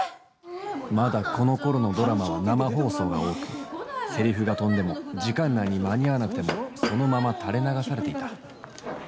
まだこのころのドラマは生放送が多く、せりふが飛んでも時間内に間に合わなくてもそのまま垂れ流されていた。